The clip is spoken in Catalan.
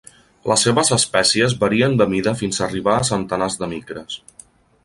Les seves espècies varien de mida fins arribar a centenars de micres.